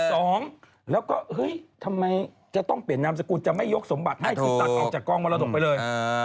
สองแล้วก็ทำไมจะต้องเปลี่ยนนามสกุลจะไม่ยกสมบัติให้คุณตัดออกจากกล้องมาละตกไปเลย